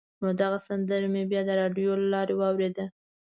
نو دغه سندره مې بیا د راډیو له لارې واورېده.